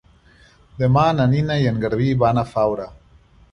Demà na Nina i en Garbí van a Faura.